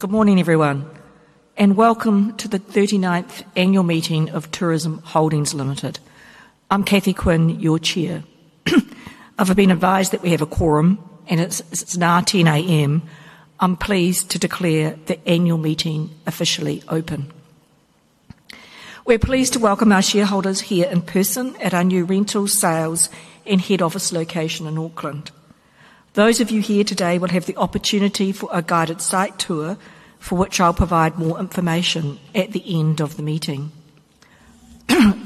Good morning, everyone, and welcome to the 39th Annual Meeting of Tourism Holdings Limited. I'm Cathy Quinn, your Chair. I've been advised that we have a quorum, and it's 9:10 A.M. I'm pleased to declare the Annual Meeting officially open. We're pleased to welcome our shareholders here in person at our new rentals, sales, and head office location in Auckland. Those of you here today will have the opportunity for a guided site tour, for which I'll provide more information at the end of the meeting.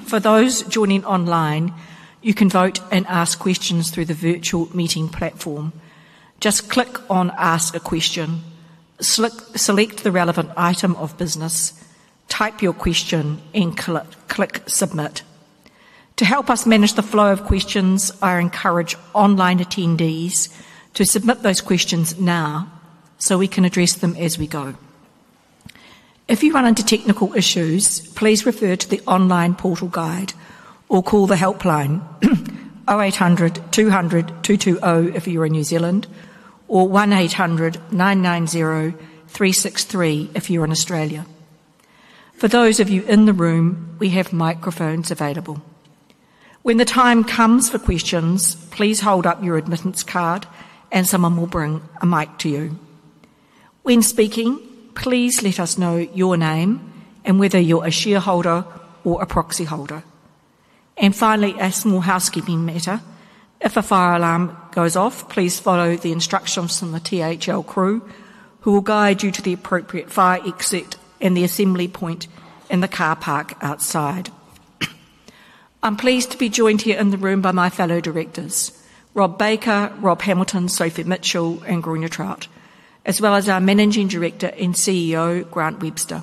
For those joining online, you can vote and ask questions through the virtual meeting platform. Just click on 'Ask a Question', select the relevant item of business, type your question, and click 'Submit'. To help us manage the flow of questions, I encourage online attendees to submit those questions now so we can address them as we go. If you run into technical issues, please refer to the online portal guide or call the helpline 0800 200 220 if you're in New Zealand or 1-800 990 363 if you're in Australia. For those of you in the room, we have microphones available. When the time comes for questions, please hold up your admittance card and someone will bring a mic to you. When speaking, please let us know your name and whether you're a shareholder or a proxy holder. Finally, a small housekeeping matter: if a fire alarm goes off, please follow the instructions from the THL crew who will guide you to the appropriate fire exit and the assembly point in the car park outside. I'm pleased to be joined here in the room by my fellow directors, Rob Baker, Rob Hamilton, Sophia Mitchell, and Gordon Hewston, as well as our Managing Director and CEO, Grant Webster.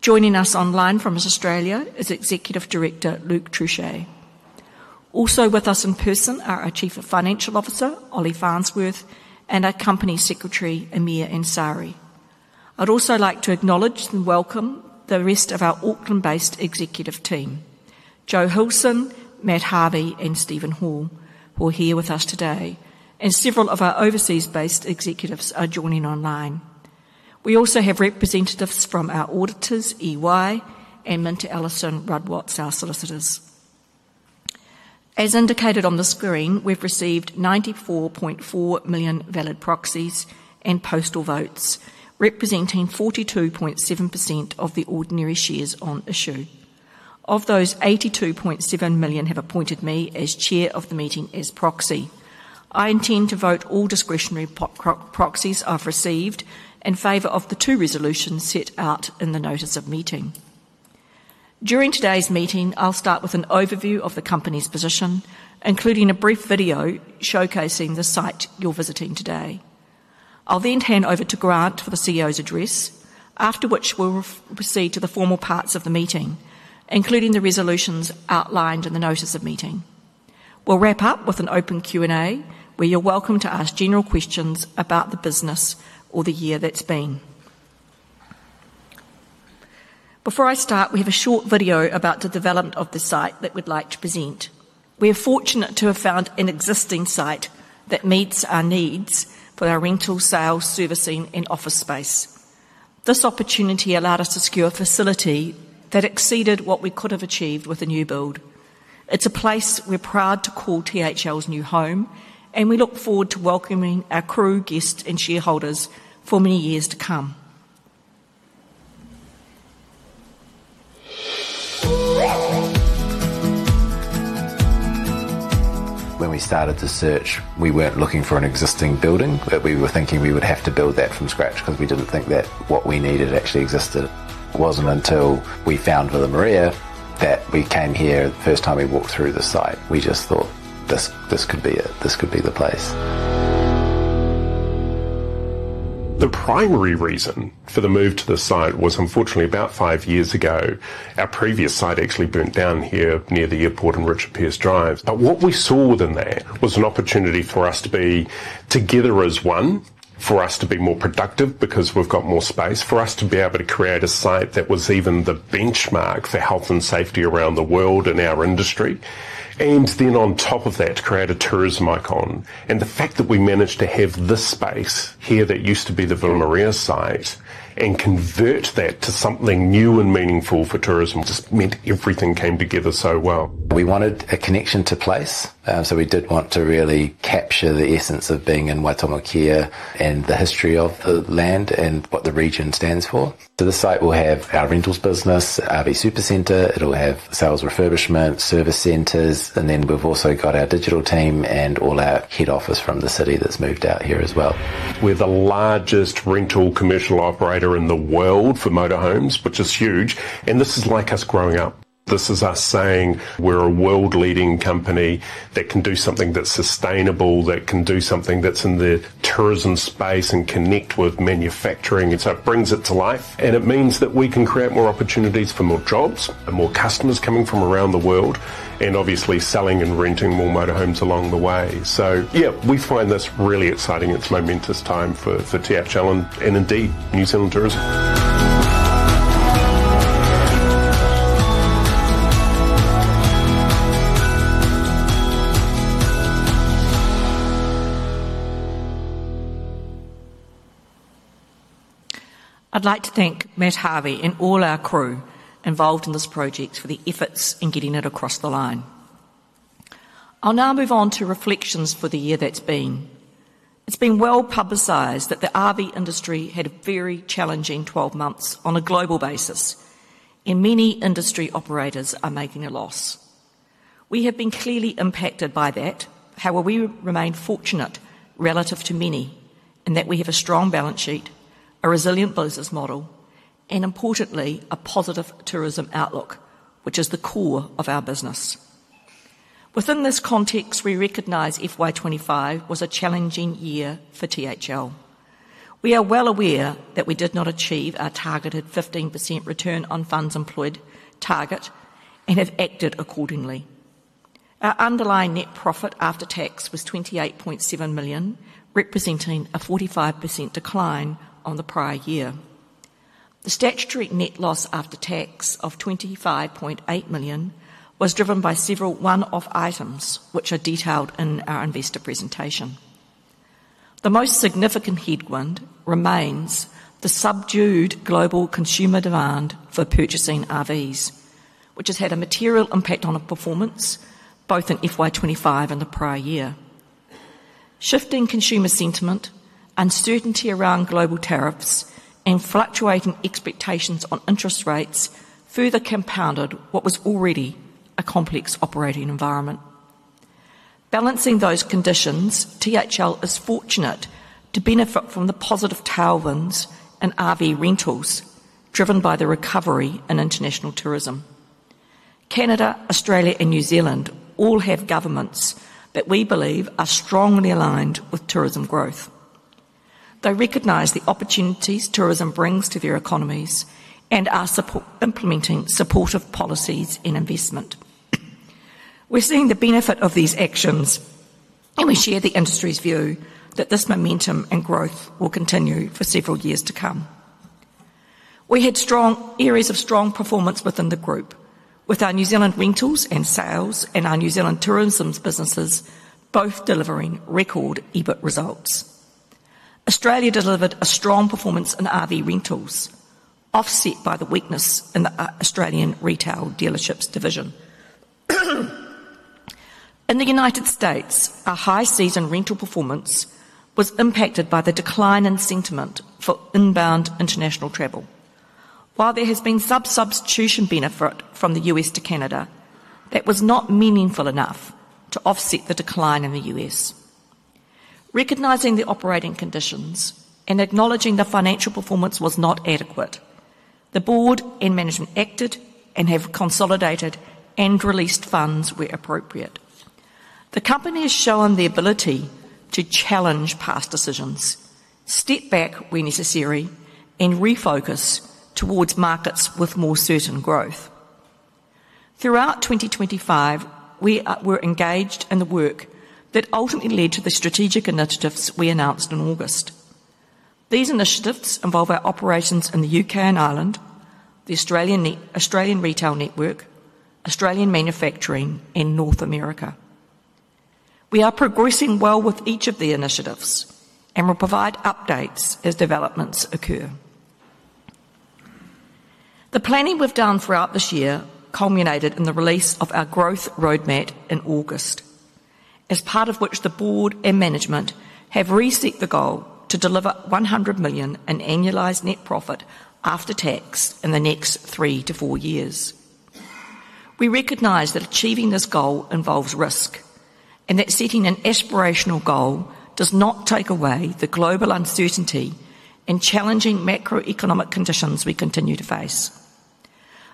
Joining us online from Australia is Executive Director Luke Trouchet. Also with us in person are our Chief Financial Officer, Ollie Farnsworth, and our Company Secretary, Amir Ansari. I'd also like to acknowledge and welcome the rest of our Auckland-based executive team: Joe Hilsen, Matt Harvey, and Steven Hall, who are here with us today, and several of our overseas-based executives are joining online. We also have representatives from our auditors, EY, and MinterEllison, Rod Watts, our solicitors. As indicated on the screen, we've received 94.4 million valid proxies and postal votes, representing 42.7% of the ordinary shares on issue. Of those, 82.7 million have appointed me as Chair of the meeting as proxy. I intend to vote all discretionary proxies I've received in favor of the two resolutions set out in the notice of meeting. During today's meeting, I'll start with an overview of the company's position, including a brief video showcasing the site you're visiting today. I'll then hand over to Grant for the CEO's address, after which we'll proceed to the formal parts of the meeting, including the resolutions outlined in the notice of meeting. We'll wrap up with an open Q&A, where you're welcome to ask general questions about the business or the year that's been. Before I start, we have a short video about the development of the site that we'd like to present. We're fortunate to have found an existing site that meets our needs for our rentals, sales, servicing, and office space. This opportunity allowed us to secure a facility that exceeded what we could have achieved with a new build. It's a place we're proud to call THL's new home, and we look forward to welcoming our crew, guests, and shareholders for many years to come. When we started to search, we weren't looking for an existing building, but we were thinking we would have to build that from scratch because we didn't think that what we needed actually existed. It wasn't until we found Villa Maria that we came here the first time. We walked through the site and just thought this could be it. This could be the place. The primary reason for the move to the site was unfortunately about five years ago. Our previous site actually burnt down here near the airport and Richard Pierce Drive. What we saw within that was an opportunity for us to be together as one, for us to be more productive because we've got more space, for us to be able to create a site that was even the benchmark for health and safety around the world in our industry, and then on top of that, to create a tourism icon. The fact that we managed to have this space here that used to be the Villa Maria site and convert that to something new and meaningful for tourism just meant everything came together so well. We wanted a connection to place, so we did want to really capture the essence of being in Waitomo Kia and the history of the land and what the region stands for. The site will have our rentals business, RV Supercentre, sales refurbishment, service centers, and we've also got our digital team and all our head office from the city that's moved out here as well. We're the largest rental commercial operator in the world for motorhomes, which is huge. This is like us growing up. This is us saying we're a world-leading company that can do something that's sustainable, that can do something that's in the tourism space and connect with manufacturing. It brings it to life, and it means that we can create more opportunities for more jobs and more customers coming from around the world, and obviously selling and renting more motorhomes along the way. We find this really exciting. It's a momentous time for THL and indeed New Zealand tourism. I'd like to thank Matt Harvey and all our crew involved in this project for the efforts in getting it across the line. I'll now move on to reflections for the year that's been. It's been well publicized that the RV industry had a very challenging 12 months on a global basis, and many industry operators are making a loss. We have been clearly impacted by that. However, we remain fortunate relative to many in that we have a strong balance sheet, a resilient business model, and importantly, a positive tourism outlook, which is the core of our business. Within this context, we recognize FY 2025 was a challenging year for THL. We are well aware that we did not achieve our targeted 15% return on funds employed target and have acted accordingly. Our underlying net profit after tax was $28.7 million, representing a 45% decline on the prior year. The statutory net loss after tax of $25.8 million was driven by several one-off items, which are detailed in our investor presentation. The most significant headwind remains the subdued global consumer demand for purchasing RVs, which has had a material impact on our performance both in FY 2025 and the prior year. Shifting consumer sentiment, uncertainty around global tariffs, and fluctuating expectations on interest rates further compounded what was already a complex operating environment. Balancing those conditions, THL is fortunate to benefit from the positive tailwinds in RV rentals driven by the recovery in international tourism. Canada, Australia, and New Zealand all have governments that we believe are strongly aligned with tourism growth. They recognize the opportunities tourism brings to their economies and are implementing supportive policies in investment. We're seeing the benefit of these actions, and we share the industry's view that this momentum and growth will continue for several years to come. We had areas of strong performance within the group, with our New Zealand rentals and sales and our New Zealand tourism businesses both delivering record EBIT results. Australia delivered a strong performance in RV rentals, offset by the weakness in the Australian retail dealerships division. In the United States, our high-season rental performance was impacted by the decline in sentiment for inbound international travel. While there has been some substitution benefit from the U.S. to Canada, that was not meaningful enough to offset the decline in the U.S. Recognizing the operating conditions and acknowledging the financial performance was not adequate, the board and management acted and have consolidated and released funds where appropriate. The company has shown the ability to challenge past decisions, step back when necessary, and refocus towards markets with more certain growth. Throughout 2025, we were engaged in the work that ultimately led to the strategic initiatives we announced in August. These initiatives involve our operations in the UK and Ireland, the Australian Retail Network, Australian Manufacturing, and North America. We are progressing well with each of the initiatives and will provide updates as developments occur. The planning we've done throughout this year culminated in the release of our growth roadmap in August, as part of which the board and management have reset the goal to deliver $100 million in annualised net profit after tax in the next three to four years. We recognize that achieving this goal involves risk and that setting an aspirational goal does not take away the global uncertainty and challenging macro-economic conditions we continue to face.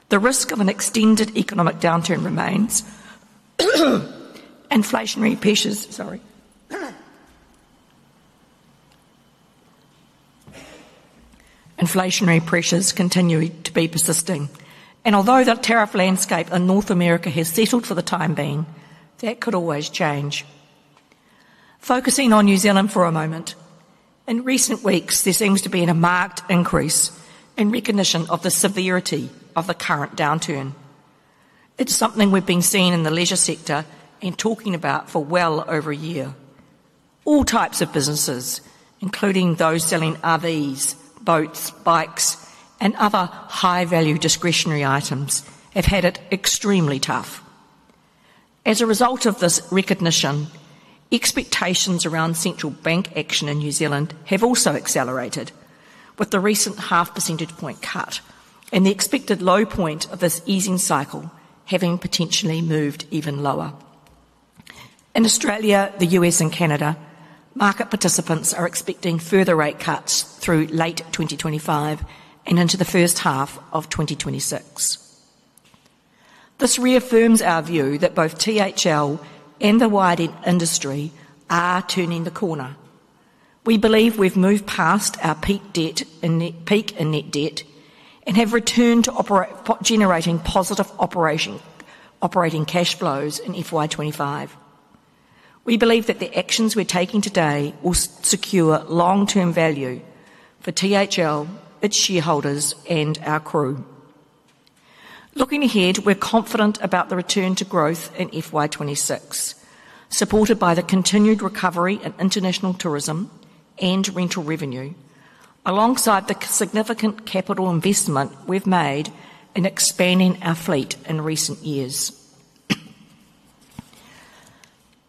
The risk of an extended economic downturn remains. Inflationary pressures continue to be persisting, and although the tariff landscape in North America has settled for the time being, that could always change. Focusing on New Zealand for a moment, in recent weeks, there seems to be a marked increase in recognition of the severity of the current downturn. It's something we've been seeing in the leisure sector and talking about for well over a year. All types of businesses, including those selling RVs, boats, bikes, and other high-value discretionary items, have had it extremely tough. As a result of this recognition, expectations around central bank action in New Zealand have also accelerated, with the recent 0.5% cut and the expected low point of this easing cycle having potentially moved even lower. In Australia, the U.S., and Canada, market participants are expecting further rate cuts through late 2025 and into the first half of 2026. This reaffirms our view that both THL and the wider industry are turning the corner. We believe we've moved past our peak debt and net debt and have returned to generating positive operating cash flows in FY 2025. We believe that the actions we're taking today will secure long-term value for THL, its shareholders, and our crew. Looking ahead, we're confident about the return to growth in FY 2026, supported by the continued recovery in international tourism and rental revenue, alongside the significant capital investment we've made in expanding our fleet in recent years.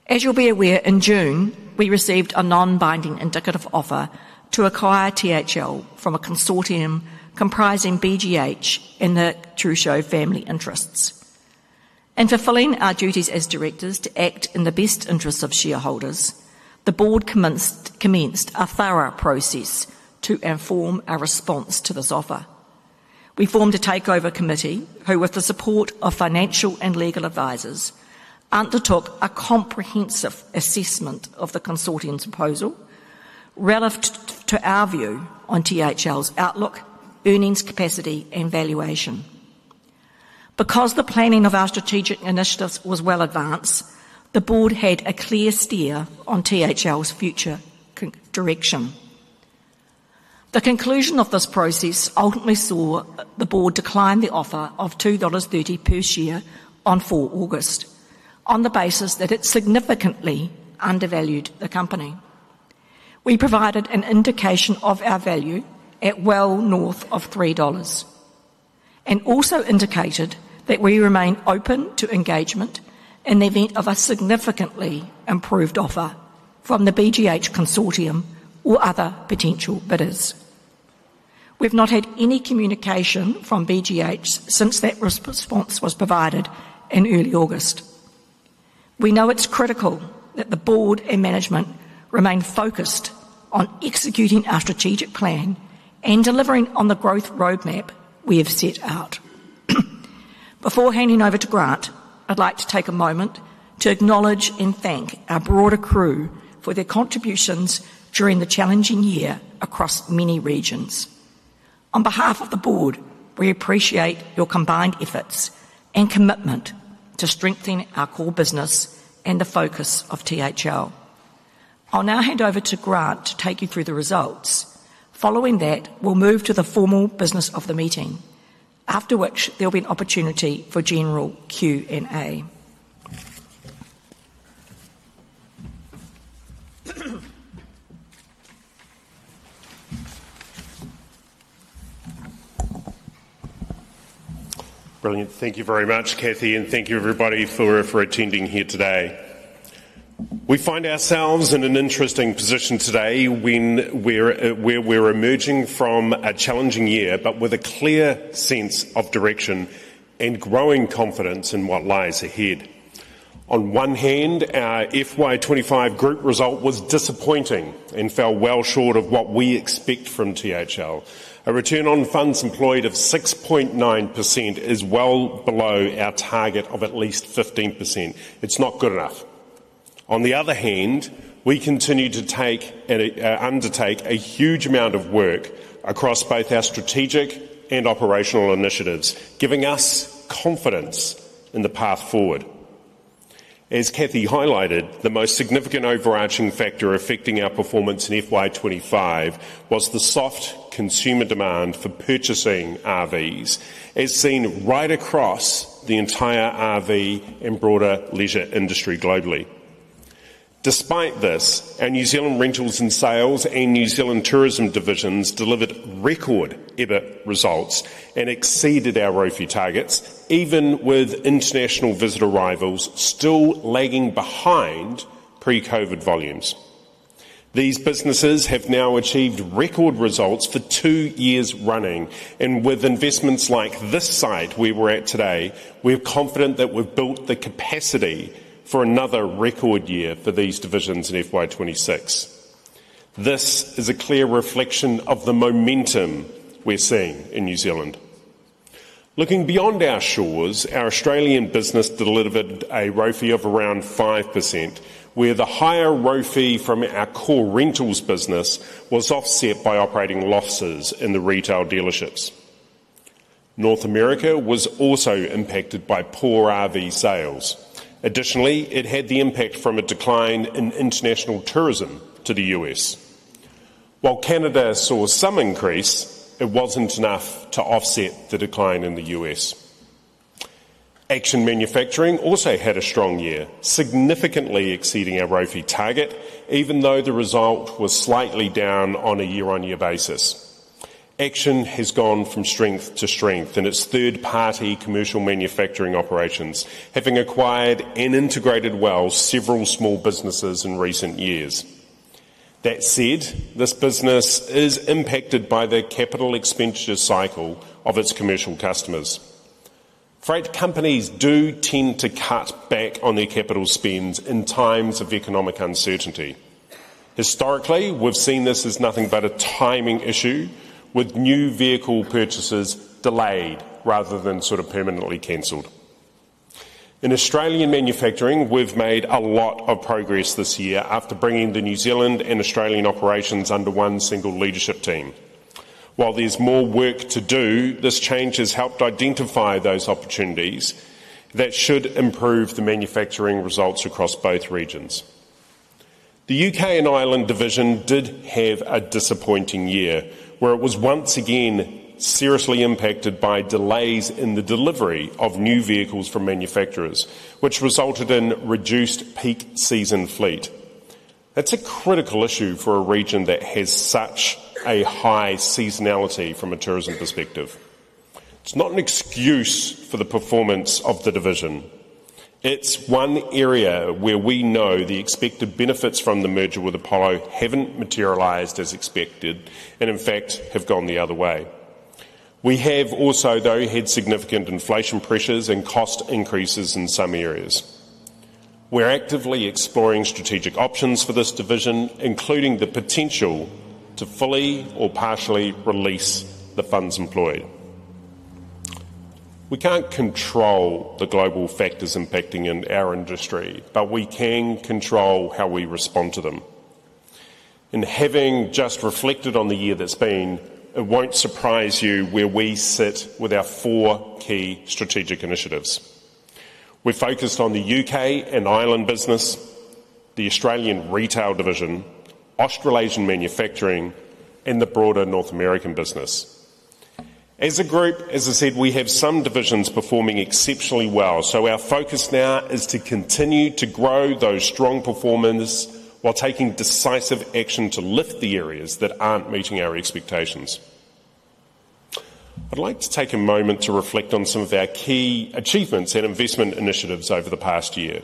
As you'll be aware, in June, we received a non-binding indicative offer to acquire THL from a consortium comprising BGH and the Trouchet family interests. In fulfilling our duties as Directors to act in the best interests of shareholders, the Board commenced a thorough process to inform our response to this offer. We formed a takeover committee who, with the support of financial and legal advisors, undertook a comprehensive assessment of the consortium's proposal relative to our view on THL's outlook, earnings capacity, and valuation. Because the planning of our strategic initiatives was well advanced, the Board had a clear steer on THL's future direction. The conclusion of this process ultimately saw the Board decline the offer of $2.30 per share on August 4, on the basis that it significantly undervalued the company. We provided an indication of our value at well north of $3 and also indicated that we remain open to engagement in the event of a significantly improved offer from the BGH consortium or other potential bidders. We've not had any communication from BGH since that response was provided in early August. We know it's critical that the Board and management remain focused on executing our strategic plan and delivering on the growth roadmap we have set out. Before handing over to Grant, I'd like to take a moment to acknowledge and thank our broader crew for their contributions during the challenging year across many regions. On behalf of the Board, we appreciate your combined efforts and commitment to strengthening our core business and the focus of THL. I'll now hand over to Grant to take you through the results. Following that, we'll move to the formal business of the meeting, after which there'll be an opportunity for general Q&A. Brilliant. Thank you very much, Cathy, and thank you, everybody, for attending here today. We find ourselves in an interesting position today where we're emerging from a challenging year, but with a clear sense of direction and growing confidence in what lies ahead. On one hand, our FY 2025 group result was disappointing and fell well short of what we expect from THL. A return on funds employed of 6.9% is well below our target of at least 15%. It's not good enough. On the other hand, we continue to undertake a huge amount of work across both our strategic and operational initiatives, giving us confidence in the path forward. As Cathy highlighted, the most significant overarching factor affecting our performance in FY 2025 was the soft consumer demand for purchasing RVs, as seen right across the entire RV and broader leisure industry globally. Despite this, our New Zealand rentals and sales and New Zealand tourism divisions delivered record EBIT results and exceeded our ROE/FIE targets, even with international visitor arrivals still lagging behind pre-COVID volumes. These businesses have now achieved record results for two years running, and with investments like this site where we're at today, we're confident that we've built the capacity for another record year for these divisions in FY 2026. This is a clear reflection of the momentum we're seeing in New Zealand. Looking beyond our shores, our Australian business delivered a ROE/FIE of around 5%, where the higher ROE/FIE from our core rentals business was offset by operating losses in the retail dealerships. North America was also impacted by poor RV sales. Additionally, it had the impact from a decline in international tourism to the U.S. While Canada saw some increase, it wasn't enough to offset the decline in the U.S. Action Manufacturing also had a strong year, significantly exceeding our ROE/FIE target, even though the result was slightly down on a year-on-year basis. Action has gone from strength to strength in its third-party commercial manufacturing operations, having acquired and integrated well several small businesses in recent years. That said, this business is impacted by the capital expenditure cycle of its commercial customers. Freight companies do tend to cut back on their capital spends in times of economic uncertainty. Historically, we've seen this as nothing but a timing issue, with new vehicle purchases delayed rather than sort of permanently cancelled. In Australian manufacturing, we've made a lot of progress this year after bringing the New Zealand and Australian operations under one single leadership team. While there's more work to do, this change has helped identify those opportunities that should improve the manufacturing results across both regions. The UK and Ireland division did have a disappointing year, where it was once again seriously impacted by delays in the delivery of new vehicles from manufacturers, which resulted in a reduced peak season fleet. That's a critical issue for a region that has such a high seasonality from a tourism perspective. It's not an excuse for the performance of the division. It's one area where we know the expected benefits from the merger with Apollo haven't materialized as expected and, in fact, have gone the other way. We have also, though, had significant inflation pressures and cost increases in some areas. We're actively exploring strategic options for this division, including the potential to fully or partially release the funds employed. We can't control the global factors impacting our industry, but we can control how we respond to them. In having just reflected on the year that's been, it won't surprise you where we sit with our four key strategic initiatives. We're focused on the UK and Ireland business, the Australian retail division, Australasian manufacturing, and the broader North American business. As a group, as I said, we have some divisions performing exceptionally well, so our focus now is to continue to grow those strong performers while taking decisive action to lift the areas that aren't meeting our expectations. I'd like to take a moment to reflect on some of our key achievements and investment initiatives over the past year.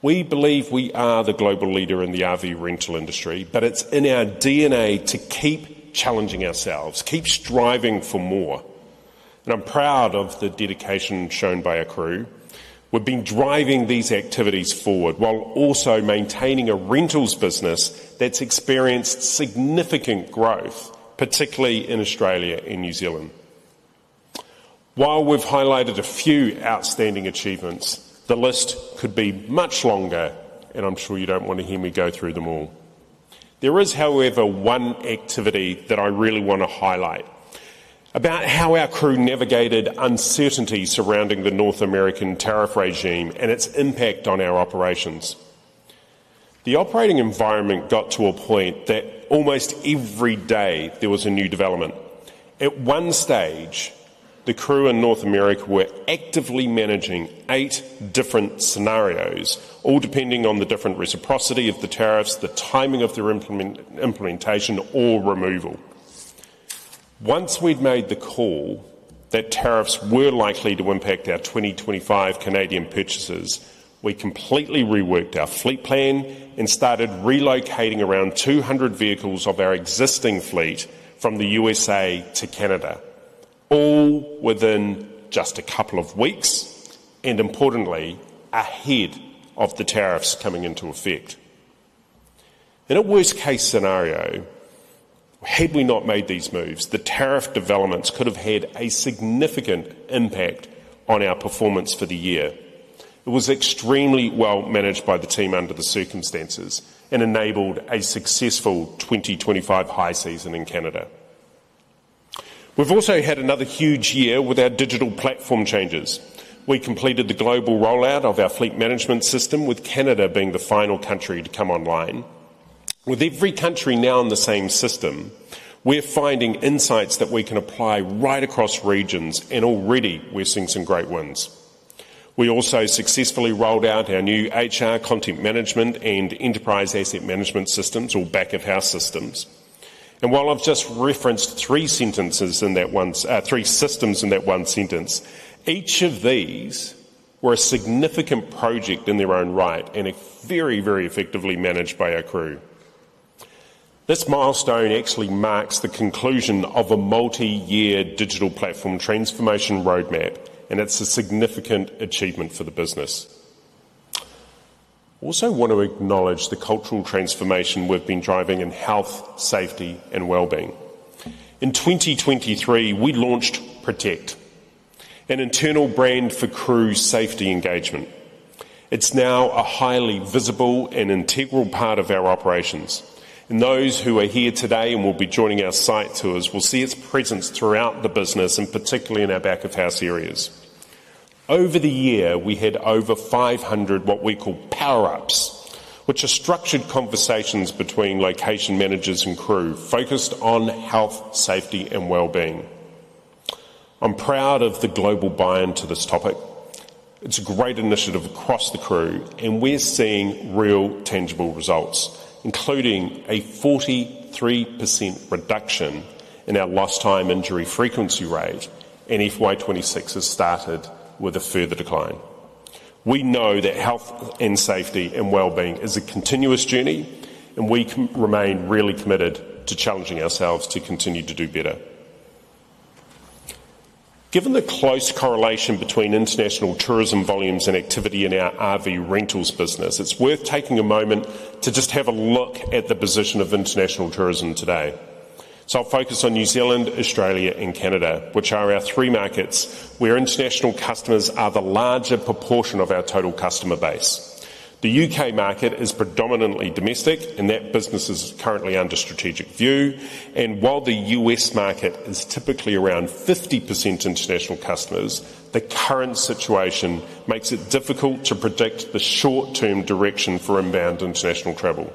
We believe we are the global leader in the RV rental industry, but it's in our DNA to keep challenging ourselves, keep striving for more. I'm proud of the dedication shown by our crew. We've been driving these activities forward while also maintaining a rentals business that's experienced significant growth, particularly in Australia and New Zealand. While we've highlighted a few outstanding achievements, the list could be much longer, and I'm sure you don't want to hear me go through them all. There is, however, one activity that I really want to highlight about how our crew navigated uncertainty surrounding the North American tariff regime and its impact on our operations. The operating environment got to a point that almost every day there was a new development. At one stage, the crew in North America were actively managing eight different scenarios, all depending on the different reciprocity of the tariffs, the timing of their implementation, or removal. Once we'd made the call that tariffs were likely to impact our 2025 Canadian purchases, we completely reworked our fleet plan and started relocating around 200 vehicles of our existing fleet from the USA to Canada, all within just a couple of weeks and, importantly, ahead of the tariffs coming into effect. In a worst-case scenario, had we not made these moves, the tariff developments could have had a significant impact on our performance for the year. It was extremely well managed by the team under the circumstances and enabled a successful 2025 high season in Canada. We've also had another huge year with our digital platform changes. We completed the global rollout of our fleet management system, with Canada being the final country to come online. With every country now in the same system, we're finding insights that we can apply right across regions, and already we're seeing some great wins. We also successfully rolled out our new HR content management and enterprise asset management systems, or back-of-house systems. While I've just referenced three systems in that one sentence, each of these were a significant project in their own right and very, very effectively managed by our crew. This milestone actually marks the conclusion of a multi-year digital platform transformation roadmap, and it's a significant achievement for the business. I also want to acknowledge the cultural transformation we've been driving in health, safety, and wellbeing. In 2023, we launched Protect, an internal brand for crew safety engagement. It's now a highly visible and integral part of our operations, and those who are here today and will be joining our site tours will see its presence throughout the business and particularly in our back-of-house areas. Over the year, we had over 500 what we call power-ups, which are structured conversations between location managers and crew focused on health, safety, and wellbeing. I'm proud of the global buy-in to this topic. It's a great initiative across the crew, and we're seeing real, tangible results, including a 43% reduction in our lost time injury frequency rate, and FY 2026 has started with a further decline. We know that health and safety and wellbeing is a continuous journey, and we remain really committed to challenging ourselves to continue to do better. Given the close correlation between international tourism volumes and activity in our RV rentals business, it's worth taking a moment to just have a look at the position of international tourism today. I'll focus on New Zealand, Australia, and Canada, which are our three markets where international customers are the larger proportion of our total customer base. The UK market is predominantly domestic, and that business is currently under strategic view. While the U.S. market is typically around 50% international customers, the current situation makes it difficult to predict the short-term direction for inbound international travel.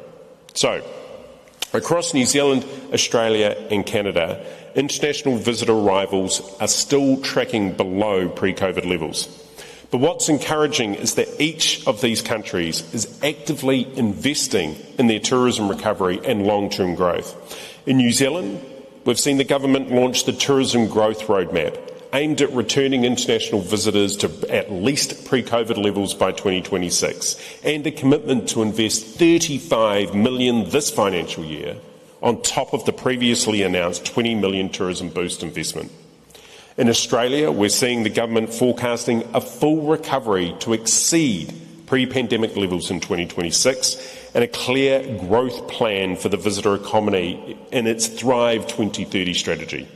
Across New Zealand, Australia, and Canada, international visitor arrivals are still tracking below pre-COVID levels. What's encouraging is that each of these countries is actively investing in their tourism recovery and long-term growth. In New Zealand, we've seen the government launch the Tourism Growth Roadmap aimed at returning international visitors to at least pre-COVID levels by 2026, and a commitment to invest $35 million this financial year on top of the previously announced $20 million tourism boost investment. In Australia, we're seeing the government forecasting a full recovery to exceed pre-pandemic levels in 2026 and a clear growth plan for the visitor economy in its Thrive 2030 strategy.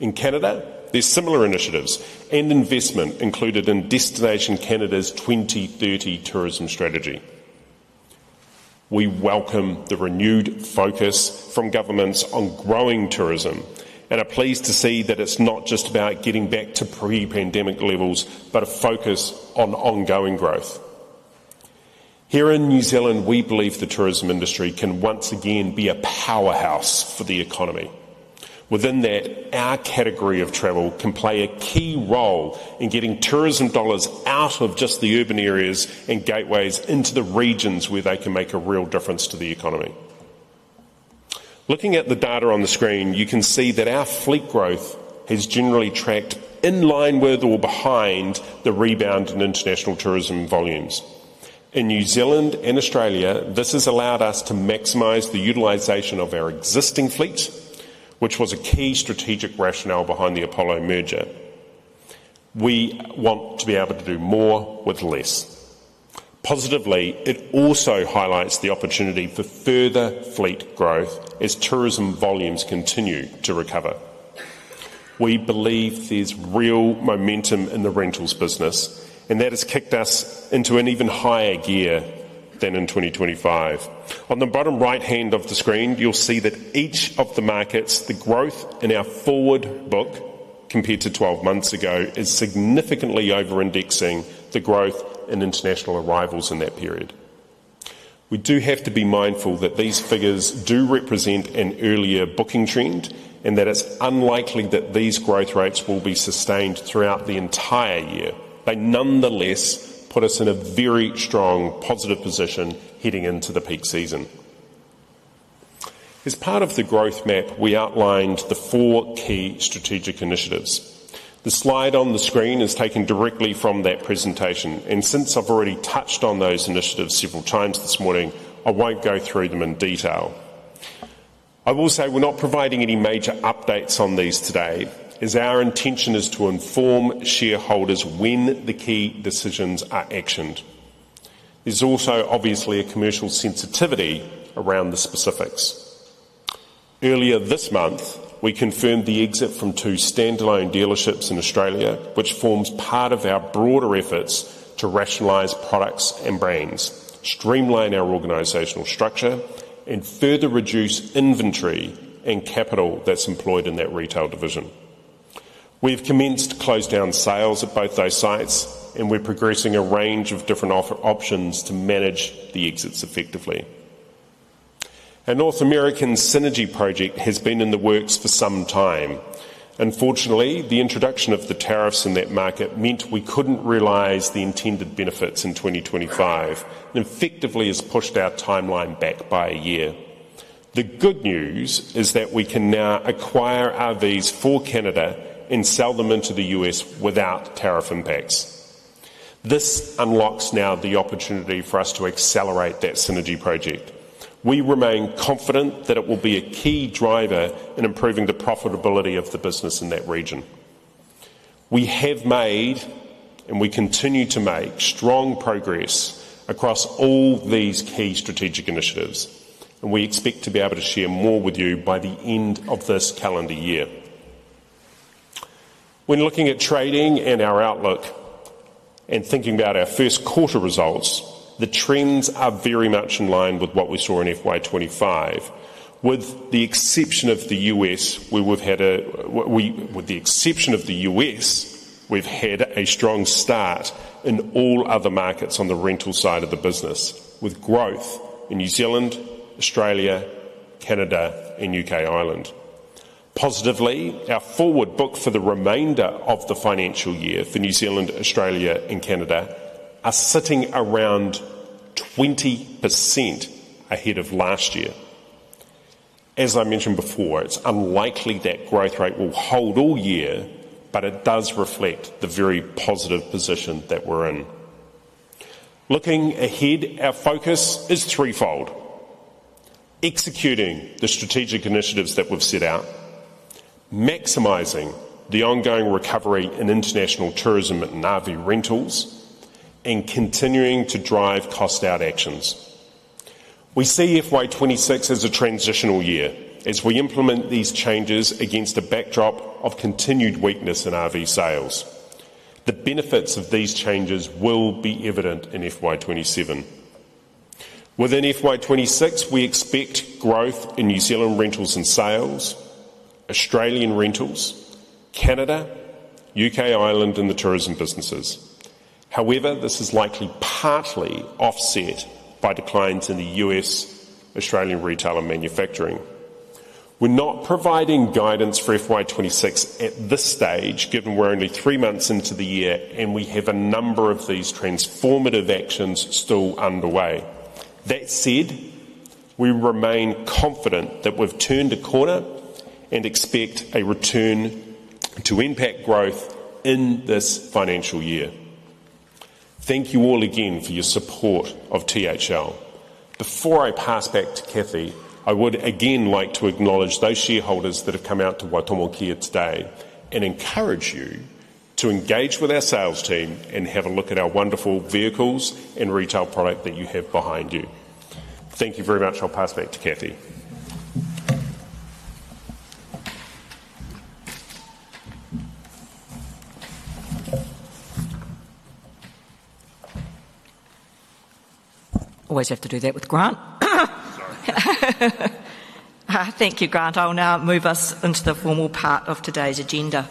In Canada, there are similar initiatives and investment included in Destination Canada's 2030 Tourism Strategy. We welcome the renewed focus from governments on growing tourism and are pleased to see that it's not just about getting back to pre-pandemic levels, but a focus on ongoing growth. Here in New Zealand, we believe the tourism industry can once again be a powerhouse for the economy. Within that, our category of travel can play a key role in getting tourism dollars out of just the urban areas and gateways into the regions where they can make a real difference to the economy. Looking at the data on the screen, you can see that our fleet growth has generally tracked in line with or behind the rebound in international tourism volumes. In New Zealand and Australia, this has allowed us to maximize the utilization of our existing fleet, which was a key strategic rationale behind the Apollo merger. We want to be able to do more with less. Positively, it also highlights the opportunity for further fleet growth as tourism volumes continue to recover. We believe there's real momentum in the rentals business, and that has kicked us into an even higher gear than in 2025. On the bottom right hand of the screen, you'll see that each of the markets, the growth in our forward book compared to 12 months ago, is significantly over-indexing the growth in international arrivals in that period. We do have to be mindful that these figures do represent an earlier booking trend and that it's unlikely that these growth rates will be sustained throughout the entire year. They nonetheless put us in a very strong positive position heading into the peak season. As part of the growth map, we outlined the four key strategic initiatives. The slide on the screen is taken directly from that presentation, and since I've already touched on those initiatives several times this morning, I won't go through them in detail. I will say we're not providing any major updates on these today, as our intention is to inform shareholders when the key decisions are actioned. There's also obviously a commercial sensitivity around the specifics. Earlier this month, we confirmed the exit from two standalone dealerships in Australia, which forms part of our broader efforts to rationalize products and brands, streamline our organizational structure, and further reduce inventory and capital that's employed in that retail division. We've commenced to close down sales at both those sites, and we're progressing a range of different options to manage the exits effectively. Our North American synergy project has been in the works for some time. Unfortunately, the introduction of the tariffs in that market meant we couldn't realize the intended benefits in 2025 and effectively has pushed our timeline back by a year. The good news is that we can now acquire RVs for Canada and sell them into the U.S. without tariff impacts. This unlocks now the opportunity for us to accelerate that synergy project. We remain confident that it will be a key driver in improving the profitability of the business in that region. We have made and we continue to make strong progress across all these key strategic initiatives, and we expect to be able to share more with you by the end of this calendar year. When looking at trading and our outlook and thinking about our first quarter results, the trends are very much in line with what we saw in FY 2025. With the exception of the U.S., we've had a strong start in all other markets on the rental side of the business, with growth in New Zealand, Australia, Canada, and UK, Ireland. Positively, our forward book for the remainder of the financial year for New Zealand, Australia, and Canada is sitting around 20% ahead of last year. As I mentioned before, it's unlikely that growth rate will hold all year, but it does reflect the very positive position that we're in. Looking ahead, our focus is threefold: executing the strategic initiatives that we've set out, maximizing the ongoing recovery in international tourism and RV rentals, and continuing to drive cost-out actions. We see FY 2026 as a transitional year as we implement these changes against a backdrop of continued weakness in RV sales. The benefits of these changes will be evident in FY 2027. Within FY 2026, we expect growth in New Zealand rentals and sales, Australian rentals, Canada, UK, Ireland, and the tourism businesses. However, this is likely partly offset by declines in the U.S., Australian retail, and manufacturing. We're not providing guidance for FY 2026 at this stage, given we're only three months into the year and we have a number of these transformative actions still underway. That said, we remain confident that we've turned a corner and expect a return to impact growth in this financial year. Thank you all again for your support of THL. Before I pass back to Cathy, I would again like to acknowledge those shareholders that have come out to Waitomo Kia today and encourage you to engage with our sales team and have a look at our wonderful vehicles and retail product that you have behind you. Thank you very much. I'll pass back to Cathy. Always have to do that with Grant. Thank you, Grant. I'll now move us into the formal part of today's agenda.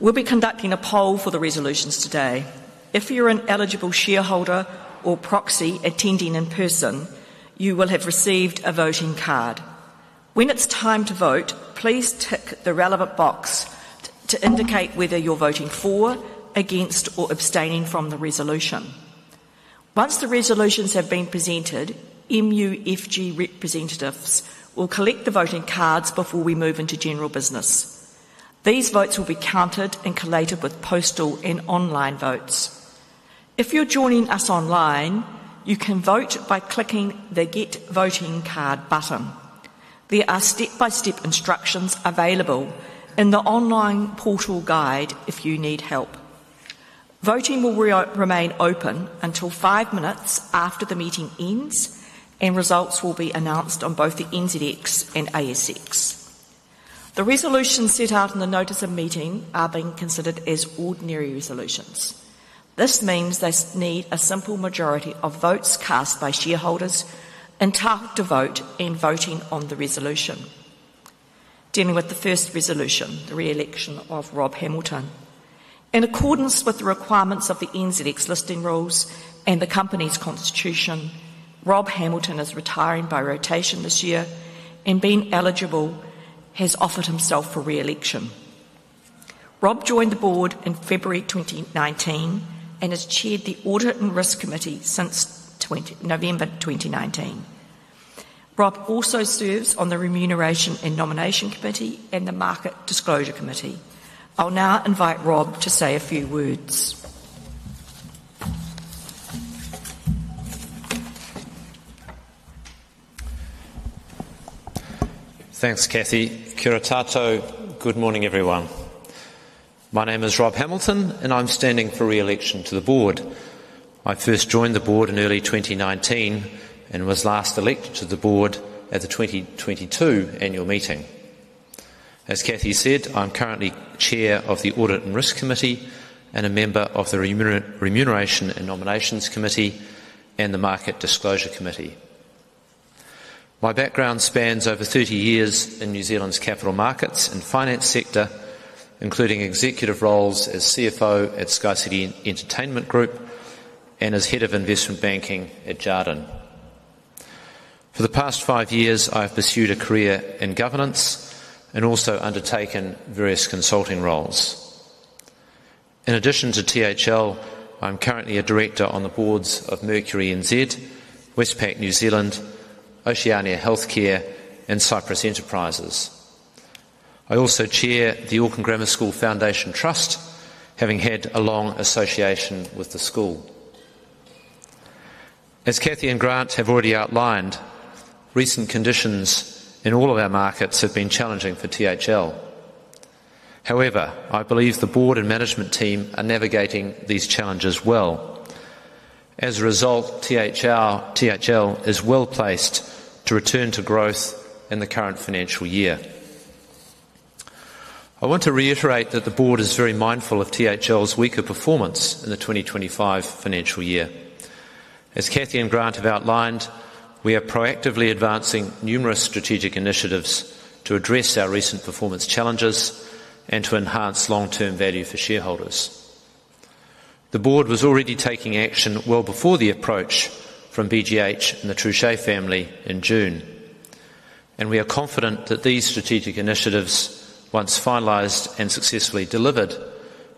We'll be conducting a poll for the resolutions today. If you're an eligible shareholder or proxy attending in person, you will have received a voting card. When it's time to vote, please tick the relevant box to indicate whether you're voting for, against, or abstaining from the resolution. Once the resolutions have been presented, MUFG representatives will collect the voting cards before we move into general business. These votes will be counted and collated with postal and online votes. If you're joining us online, you can vote by clicking the Get Voting Card button. There are step-by-step instructions available in the online portal guide if you need help. Voting will remain open until five minutes after the meeting ends, and results will be announced on both the NZX and ASX. The resolutions set out in the notice of meeting are being considered as ordinary resolutions. This means they need a simple majority of votes cast by shareholders and entitled to vote in voting on the resolution. Dealing with the first resolution, the re-election of Rob Hamilton, in accordance with the requirements of the NZX listing rules and the company's constitution, Rob Hamilton is retiring by rotation this year and being eligible has offered himself for re-election. Rob joined the board in February 2019 and has chaired the Audit and Risk Committee since November 2019. Rob also serves on the Remuneration and Nomination Committee and the Market Disclosure Committee. I'll now invite Rob to say a few words. Thanks, Cathy. Kuritato, good morning, everyone. My name is Rob Hamilton, and I'm standing for re-election to the board. I first joined the board in early 2019 and was last elected to the board at the 2022 annual meeting. As Cathy said, I'm currently Chair of the Audit and Risk Committee and a member of the Remuneration and Nominations Committee and the Market Disclosure Committee. My background spans over 30 years in New Zealand's capital markets and finance sector, including executive roles as CFO at Sky City Entertainment Group and as Head of Investment Banking at Jardine. For the past five years, I've pursued a career in governance and also undertaken various consulting roles. In addition to THL, I'm currently a Director on the boards of Mercury NZ, Westpac New Zealand, Oceania Healthcare, and Cypress Enterprises. I also chair the Auckland Grammar School Foundation Trust, having had a long association with the school. As Cathy and Grant have already outlined, recent conditions in all of our markets have been challenging for THL. However, I believe the board and management team are navigating these challenges well. As a result, THL is well placed to return to growth in the current financial year. I want to reiterate that the board is very mindful of THL's weaker performance in the 2025 financial year. As Cathy and Grant have outlined, we are proactively advancing numerous strategic initiatives to address our recent performance challenges and to enhance long-term value for shareholders. The board was already taking action well before the approach from BGH and the Trouchet family in June, and we are confident that these strategic initiatives, once finalized and successfully delivered,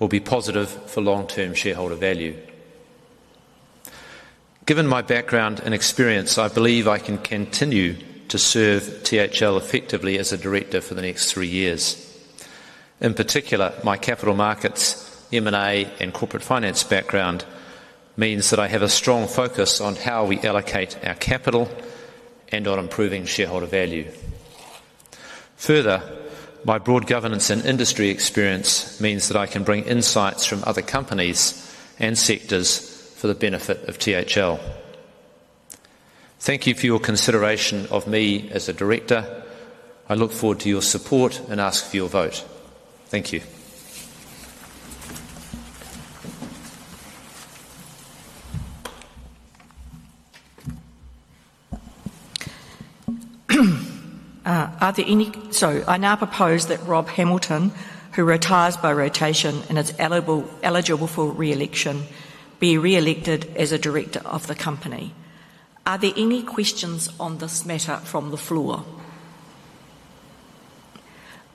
will be positive for long-term shareholder value. Given my background and experience, I believe I can continue to serve THL effectively as a Director for the next three years. In particular, my capital markets, M&A, and corporate finance background means that I have a strong focus on how we allocate our capital and on improving shareholder value. Further, my broad governance and industry experience means that I can bring insights from other companies and sectors for the benefit of THL. Thank you for your consideration of me as a Director. I look forward to your support and ask for your vote. Thank you. I now propose that Rob Hamilton, who retires by rotation and is eligible for re-election, be re-elected as a Director of the company. Are there any questions on this matter from the floor?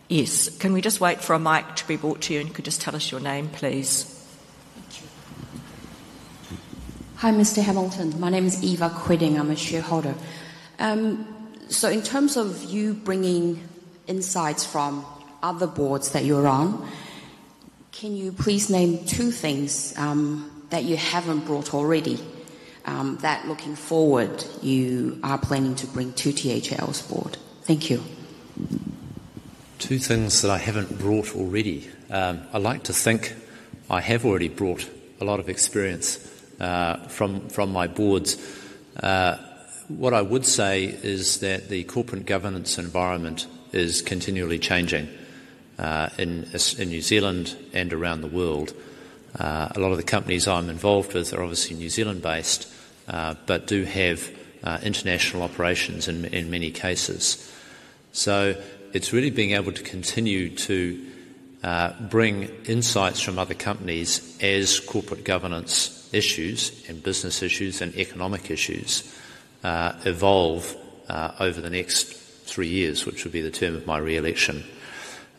Yes. Can we just wait for a mic to be brought to you and could you just tell us your name, please? Hi, Mr. Hamilton. My name is Eva Quidding. I'm a shareholder. In terms of you bringing insights from other boards that you're on, can you please name two things that you haven't brought already that, looking forward, you are planning to bring to THL's board? Thank you. Two things that I haven't brought already. I like to think I have already brought a lot of experience from my boards. What I would say is that the corporate governance environment is continually changing in New Zealand and around the world. A lot of the companies I'm involved with are obviously New Zealand-based but do have international operations in many cases. It's really being able to continue to bring insights from other companies as corporate governance issues and business issues and economic issues evolve over the next three years, which would be the term of my re-election.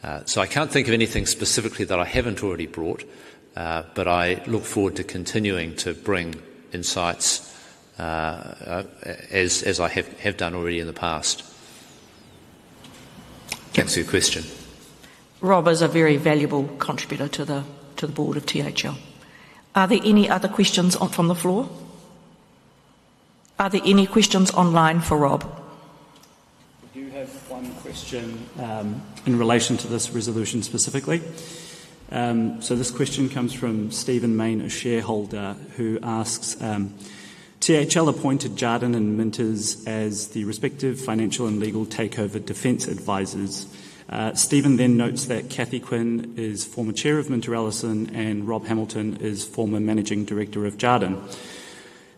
I can't think of anything specifically that I haven't already brought, but I look forward to continuing to bring insights as I have done already in the past. Thanks for your question. Rob is a very valuable contributor to the board of THL. Are there any other questions from the floor? Are there any questions online for Rob? I do have one question in relation to this resolution specifically. This question comes from Stephen Main, a shareholder, who asks, "THL appointed Jarden and MinterEllison as the respective financial and legal takeover defence advisors." Stephen then notes that Cathy Quinn is former Chair of MinterEllison and Rob Hamilton is former Managing Director of Jarden.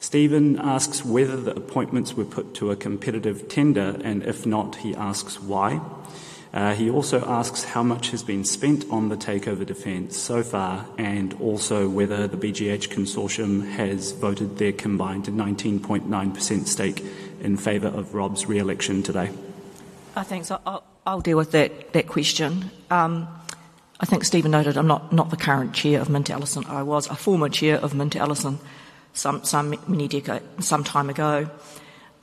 Stephen asks whether the appointments were put to a competitive tender, and if not, he asks why. He also asks how much has been spent on the takeover defence so far and whether the BGH consortium has voted their combined 19.9% stake in favor of Rob's re-election today. Thanks. I'll deal with that question. I think Stephen noted I'm not the current Chair of MinterEllison. I was a former Chair of MinterEllison some time ago.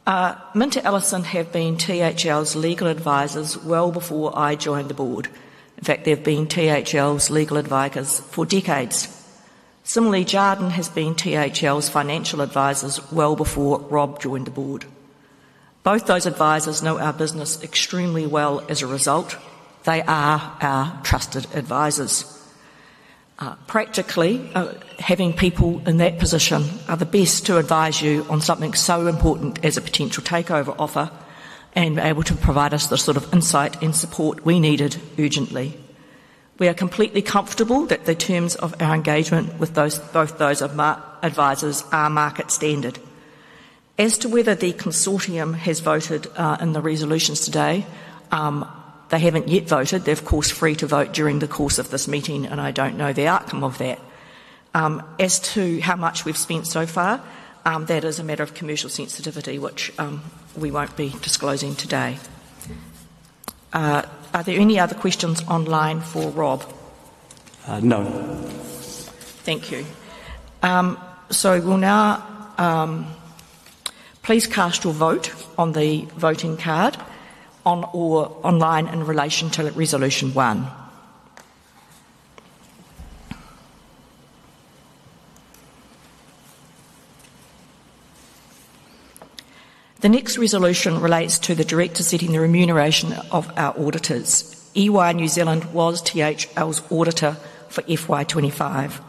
MinterEllison have been THL's legal advisors well before I joined the board. In fact, they have been THL's legal advisors for decades. Similarly, Jarden has been THL's financial advisors well before Rob joined the board. Both those advisors know our business extremely well. As a result, they are our trusted advisors. Practically, having people in that position are the best to advise you on something so important as a potential takeover offer and be able to provide us the sort of insight and support we needed urgently. We are completely comfortable that the terms of our engagement with both those advisors are market standard. As to whether the consortium has voted in the resolutions today, they haven't yet voted. They're, of course, free to vote during the course of this meeting, and I don't know the outcome of that. As to how much we've spent so far, that is a matter of commercial sensitivity, which we won't be disclosing today. Are there any other questions online for Rob? No. Thank you. Please cast your vote on the voting card or online in relation to Resolution 1. The next resolution relates to the Directors setting the remuneration of our auditors. EY New Zealand was THL's auditor for FY 2025.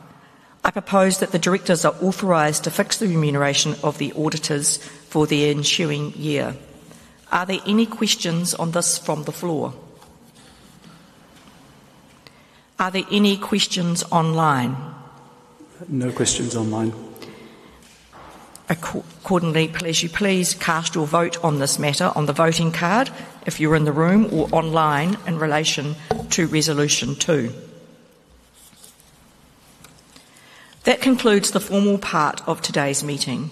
I propose that the Directors are authorized to fix the remuneration of the auditors for the ensuing year. Are there any questions on this from the floor? Are there any questions online? No questions online. Accordingly, please cast your vote on this matter on the voting card if you're in the room or online in relation to Resolution 2. That concludes the formal part of today's meeting.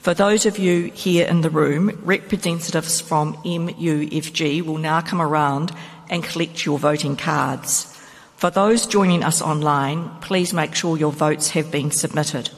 For those of you here in the room, representatives from MUFG will now come around and collect your voting cards. For those joining us online, please make sure your votes have been submitted.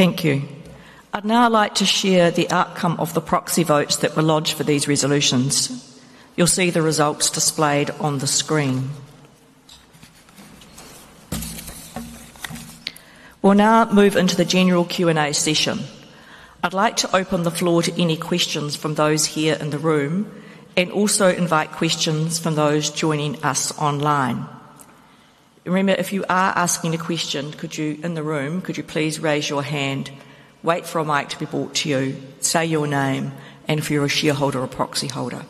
Thank you. I'd now like to share the outcome of the proxy votes that were lodged for these resolutions. You'll see the results displayed on the screen. We'll now move into the general Q&A session. I'd like to open the floor to any questions from those here in the room and also invite questions from those joining us online. Remember, if you are asking a question, in the room, could you please raise your hand, wait for a mic to be brought to you, say your name, and if you're a shareholder or proxy holder.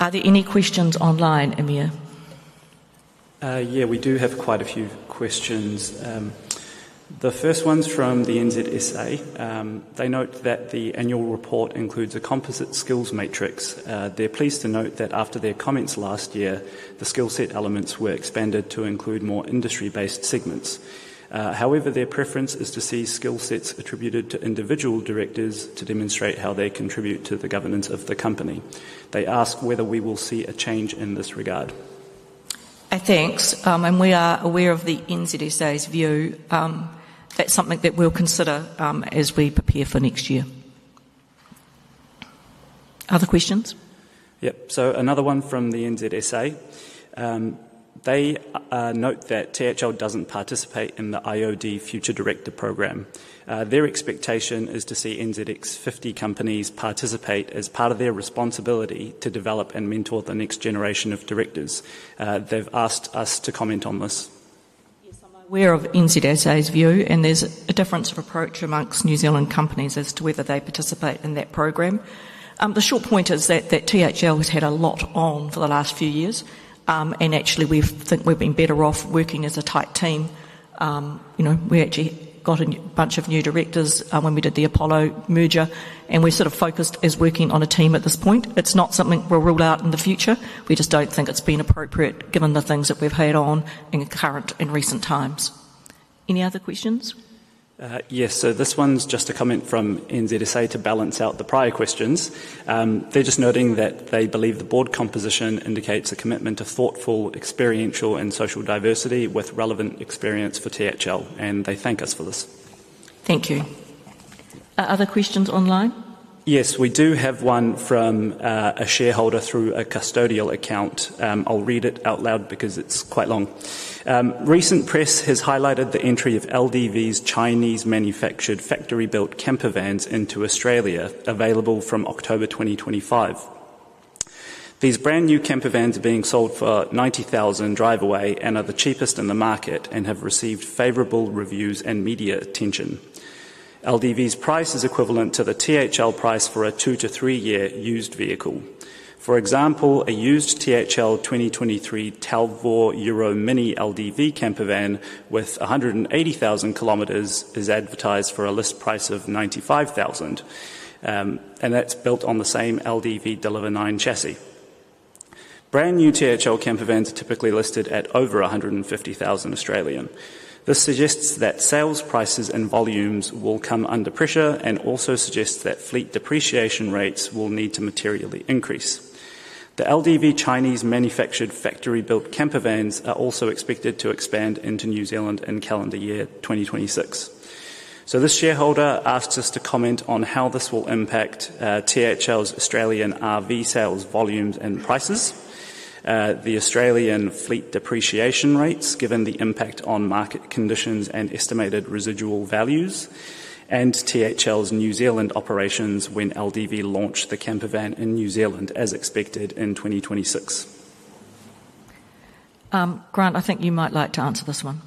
Are there any questions online, Amir? Yeah, we do have quite a few questions. The first one's from the NZSA. They note that the annual report includes a composite skills matrix. They're pleased to note that after their comments last year, the skillset elements were expanded to include more industry-based segments. However, their preference is to see skillsets attributed to individual directors to demonstrate how they contribute to the governance of the company. They ask whether we will see a change in this regard. Thank you. We are aware of the NZSA's view. That is something that we'll consider as we prepare for next year. Other questions? Yes. Another one from the NZSA. They note that THL doesn't participate in the IOD Future Director Programme. Their expectation is to see NZX 50 companies participate as part of their responsibility to develop and mentor the next generation of directors. They've asked us to comment on this. Yes, I'm aware of NZSA's view, and there's a difference of approach amongst New Zealand companies as to whether they participate in that program. The short point is that THL has had a lot on for the last few years, and actually, we think we've been better off working as a tight team. We actually got a bunch of new directors when we did the Apollo merger, and we're sort of focused as working on a team at this point. It's not something we'll rule out in the future. We just don't think it's been appropriate given the things that we've had on in current and recent times. Any other questions? Yes, this one's just a comment from NZSA to balance out the prior questions. They're just noting that they believe the board composition indicates a commitment to thoughtful, experiential, and social diversity with relevant experience for THL, and they thank us for this. Thank you. Other questions online? Yes, we do have one from a shareholder through a custodial account. I'll read it out loud because it's quite long. Recent press has highlighted the entry of LDV's Chinese manufactured factory-built campervans into Australia, available from October 2025. These brand new campervans are being sold for $90,000 driveaway and are the cheapest in the market and have received favorable reviews and media attention. LDV's price is equivalent to the THL price for a two to three-year used vehicle. For example, a used THL 2023 Talvor Euro Mini LDV campervan with 180,000 km is advertised for a list price of $95,000, and that's built on the same LDV Deliver 9 chassis. Brand new THL campervans are typically listed at over $150,000 Australian. This suggests that sales prices and volumes will come under pressure and also suggests that fleet depreciation rates will need to materially increase. The LDV Chinese manufactured factory-built campervans are also expected to expand into New Zealand in calendar year 2026. This shareholder asks us to comment on how this will impact THL's Australian RV sales volumes and prices, the Australian fleet depreciation rates given the impact on market conditions and estimated residual values, and THL's New Zealand operations when LDV launches the campervan in New Zealand as expected in 2026. Grant, I think you might like to answer this one.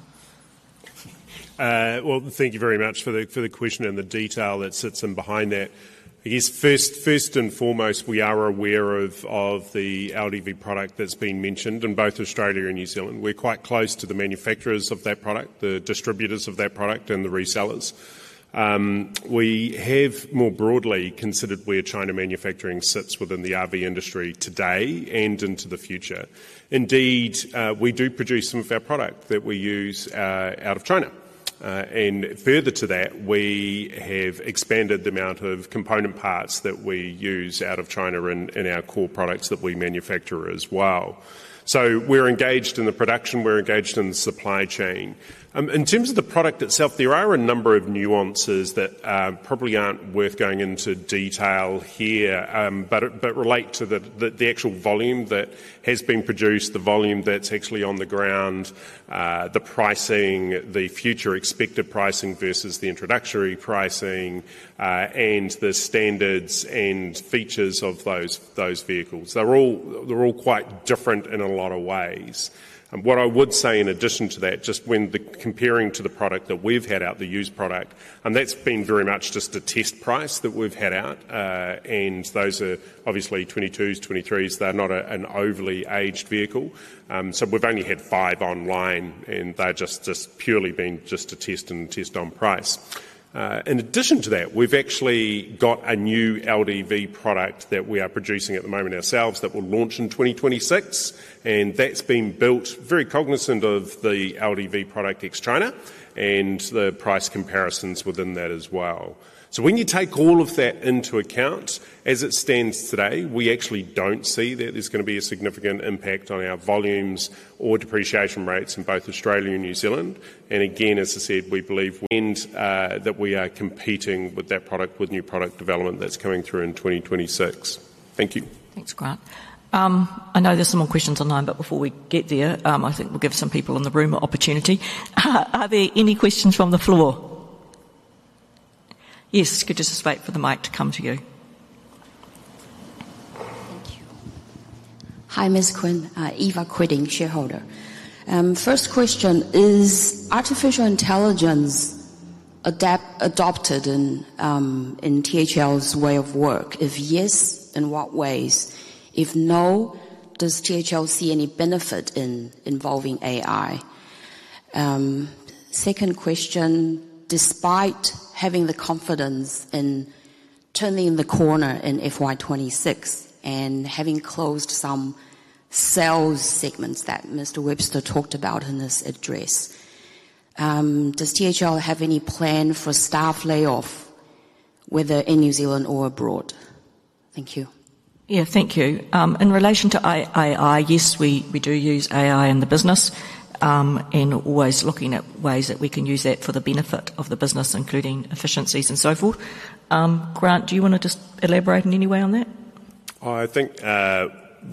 Thank you very much for the question and the detail that sits in behind that. I guess first and foremost, we are aware of the LDV product that's been mentioned in both Australia and New Zealand. We're quite close to the manufacturers of that product, the distributors of that product, and the resellers. We have more broadly considered where China manufacturing sits within the RV industry today and into the future. Indeed, we do produce some of our product that we use out of China, and further to that, we have expanded the amount of component parts that we use out of China in our core products that we manufacture as well. We're engaged in the production, we're engaged in the supply chain. In terms of the product itself, there are a number of nuances that probably aren't worth going into detail here, but relate to the actual volume that has been produced, the volume that's actually on the ground, the pricing, the future expected pricing versus the introductory pricing, and the standards and features of those vehicles. They're all quite different in a lot of ways. What I would say in addition to that, just when comparing to the product that we've had out, the used product, that's been very much just a test price that we've had out, and those are obviously 22s, 23s. They're not an overly aged vehicle. We've only had five online, and they've just purely been just a test and test on price. In addition to that, we've actually got a new LDV product that we are producing at the moment ourselves that will launch in 2026, and that's been built very cognizant of the LDV product ex China and the price comparisons within that as well. When you take all of that into account, as it stands today, we actually don't see that there's going to be a significant impact on our volumes or depreciation rates in both Australia and New Zealand. As I said, we believe that we are competing with that product with new product development that's coming through in 2026. Thank you. Thanks, Grant. I know there's some more questions online, but before we get there, I think we'll give some people in the room an opportunity. Are there any questions from the floor? Yes, could you just wait for the mic to come to you? Thank you. Hi, Ms. Quinn, Eva Quidding, shareholder. First question is, is artificial intelligence adopted in THL's way of work? If yes, in what ways? If no, does THL see any benefit in involving AI? Second question, despite having the confidence in turning the corner in FY 2026 and having closed some sales segments that Mr. Webster talked about in his address, does THL have any plan for staff layoff, whether in New Zealand or abroad? Thank you. Thank you. In relation to AI, yes, we do use AI in the business and always looking at ways that we can use that for the benefit of the business, including efficiencies and so forth. Grant, do you want to just elaborate in any way on that? I think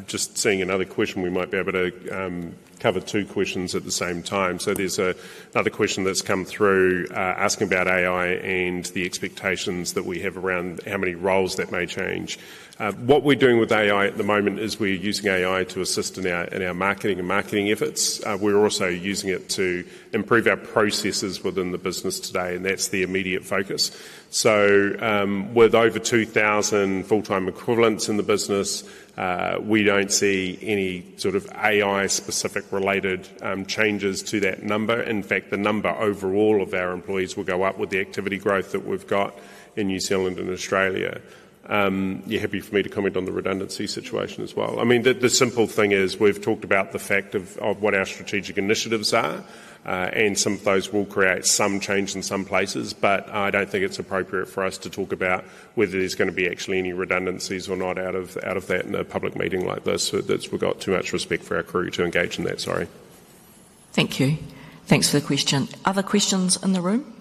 just seeing another question, we might be able to cover two questions at the same time. There's another question that's come through asking about AI and the expectations that we have around how many roles that may change. What we're doing with AI at the moment is we're using AI to assist in our marketing and marketing efforts. We're also using it to improve our processes within the business today, and that's the immediate focus. With over 2,000 full-time equivalents in the business, we don't see any sort of AI-specific related changes to that number. In fact, the number overall of our employees will go up with the activity growth that we've got in New Zealand and Australia. You're happy for me to comment on the redundancy situation as well? The simple thing is we've talked about the fact of what our strategic initiatives are, and some of those will create some change in some places, but I don't think it's appropriate for us to talk about whether there's going to be actually any redundancies or not out of that in a public meeting like this. We've got too much respect for our crew to engage in that, sorry. Thank you. Thanks for the question. Other questions in the room?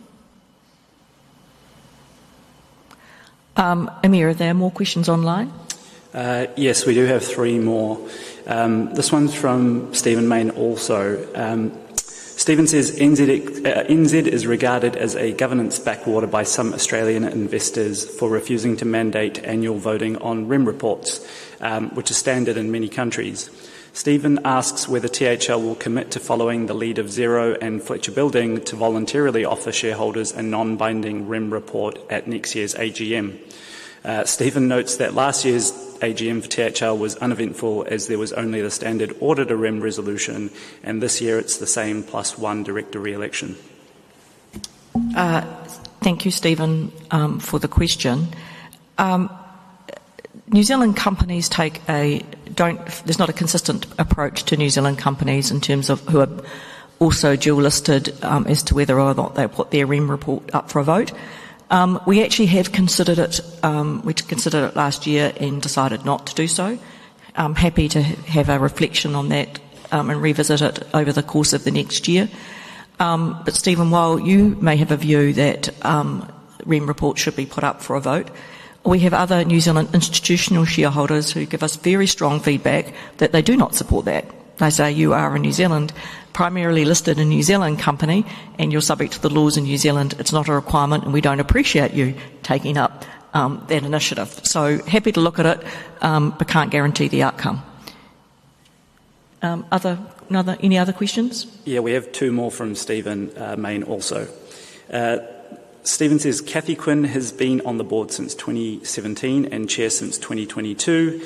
Amir, are there more questions online? Yes, we do have three more. This one's from Stephen Main also. Stephen says, "NZ is regarded as a governance backwater by some Australian investors for refusing to mandate annual voting on RIM reports, which is standard in many countries." Stephen asks whether THL will commit to following the lead of Xero and Fletcher Building to voluntarily offer shareholders a non-binding RIM report at next year's AGM. Stephen notes that last year's AGM for THL was uneventful as there was only the standard auditor remuneration resolution, and this year it's the same plus one director re-election. Thank you, Stephen, for the question. New Zealand companies take a... There's not a consistent approach to New Zealand companies in terms of who are also dual-listed as to whether or not they put their RIM report up for a vote. We actually have considered it. We considered it last year and decided not to do so. I'm happy to have a reflection on that and revisit it over the course of the next year. Stephen, while you may have a view that RIM reports should be put up for a vote, we have other New Zealand institutional shareholders who give us very strong feedback that they do not support that. They say, "You are a New Zealand primarily listed in New Zealand company, and you're subject to the laws in New Zealand. It's not a requirement, and we don't appreciate you taking up that initiative." Happy to look at it, but can't guarantee the outcome. Any other questions? Yeah, we have two more from Stephen Main also. Stephen says, "Cathy Quinn has been on the board since 2017 and Chair since 2022.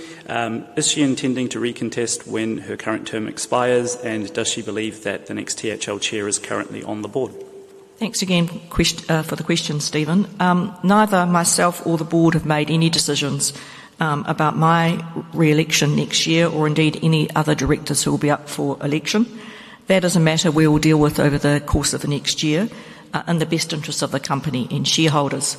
Is she intending to recontest when her current term expires, and does she believe that the next THL Chair is currently on the board? Thanks again for the question, Stephen. Neither myself nor the board have made any decisions about my re-election next year or indeed any other directors who will be up for election. That is a matter we will deal with over the course of the next year in the best interests of the company and shareholders.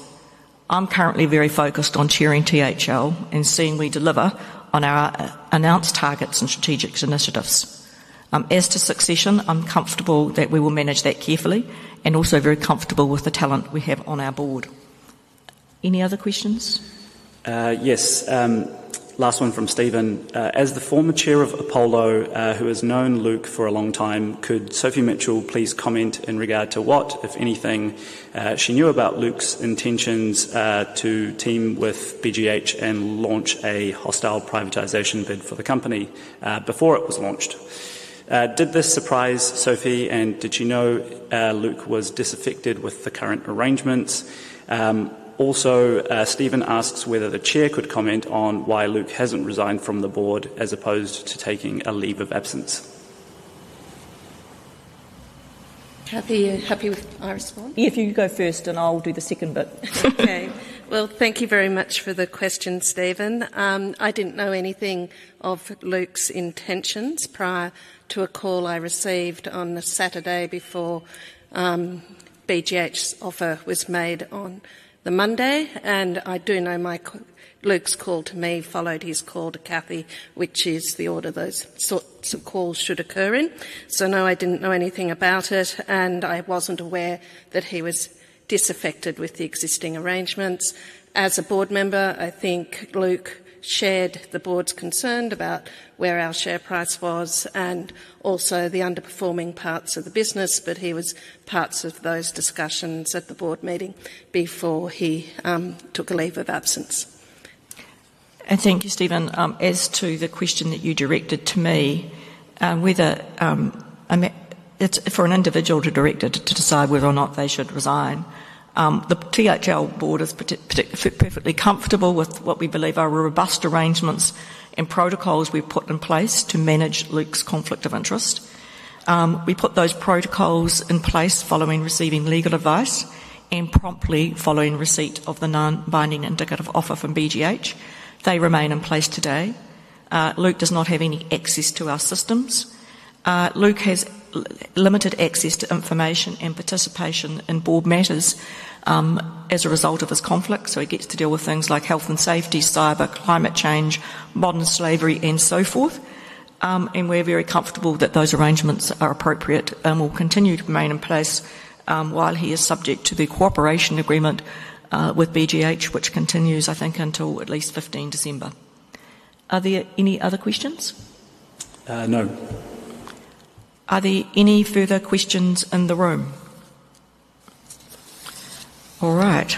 I'm currently very focused on chairing THL and seeing we deliver on our announced targets and strategic initiatives. As to succession, I'm comfortable that we will manage that carefully and also very comfortable with the talent we have on our board. Any other questions? Yes, last one from Stephen. "As the former Chair of Apollo, who has known Luke for a long time, could Sophia Mitchell please comment in regard to what, if anything, she knew about Luke's intentions to team with BGH and launch a hostile privatisation bid for the company before it was launched? Did this surprise Sophia, and did she know Luke was disaffected with the current arrangements?" Also, Stephen asks whether the Chair could comment on why Luke hasn't resigned from the board as opposed to taking a leave of absence. Cathy, you're happy with our response? If you go first, I'll do the second bit. Thank you very much for the question, Stephen. I didn't know anything of Luke's intentions prior to a call I received on the Saturday before BGH's offer was made on the Monday. I do know Luke's call to me followed his call to Cathy, which is the order those sorts of calls should occur in. No, I didn't know anything about it, and I wasn't aware that he was disaffected with the existing arrangements. As a board member, I think Luke shared the board's concern about where our share price was and also the underperforming parts of the business, but he was part of those discussions at the board meeting before he took a leave of absence. Thank you, Stephen. As to the question that you directed to me, for an individual director to decide whether or not they should resign, the THL board is perfectly comfortable with what we believe are robust arrangements and protocols we've put in place to manage Luke's conflict of interest. We put those protocols in place following receiving legal advice and promptly following receipt of the non-binding indicative offer from BGH. They remain in place today. Luke does not have any access to our systems. Luke has limited access to information and participation in board matters as a result of his conflict, so he gets to deal with things like health and safety, cyber, climate change, modern slavery, and so forth. We're very comfortable that those arrangements are appropriate and will continue to remain in place while he is subject to the cooperation agreement with BGH, which continues, I think, until at least 15 December. Are there any other questions? No. Are there any further questions in the room? All right,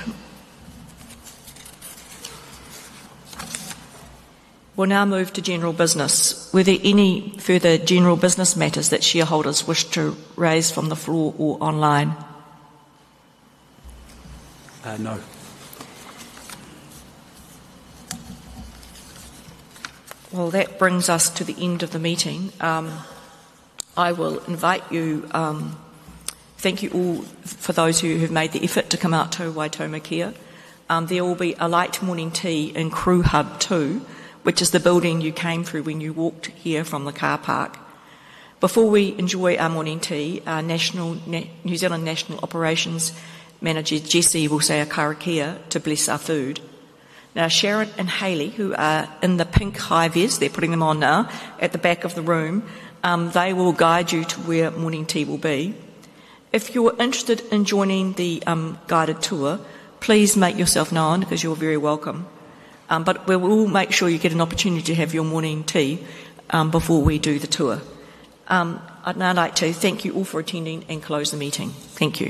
we'll now move to general business. Were there any further general business matters that shareholders wish to raise from the floor or online? No. That brings us to the end of the meeting. I will invite you... Thank you all for those who have made the effort to come out to Waitomo Kia. There will be a light morning tea in Crew Hub 2, which is the building you came through when you walked here from the car park. Before we enjoy our morning tea, our National New Zealand National Operations Manager, Jessie, will say a karakia to bless our food. Now, Sharon and Hailey, who are in the pink hi-vis—they're putting them on now—at the back of the room, they will guide you to where morning tea will be. If you're interested in joining the guided tour, please make yourself known because you're very welcome. We will make sure you get an opportunity to have your morning tea before we do the tour. I'd now like to thank you all for attending and close the meeting. Thank you.